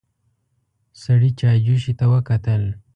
سړي چايجوشې ته وکتل.